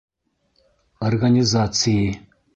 «, организации»;